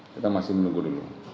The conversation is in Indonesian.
kita masih menunggu dulu